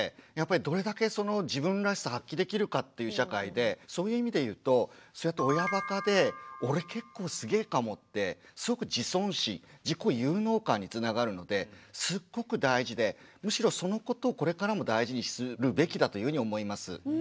これからの社会ってそういう意味で言うとそうやって親バカで「俺結構すげえかも」ってすごく自尊心自己有能感につながるのですっごく大事でむしろそのことをこれからも大事にするべきだというふうに思います。